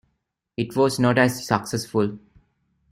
It was not as successful.